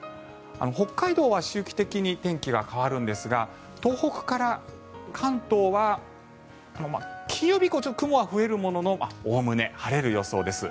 北海道は周期的に天気が変わるんですが東北から関東は金曜日以降雲は増えるもののおおむね晴れる予想です。